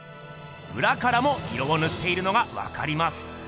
うらからも色をぬっているのがわかります。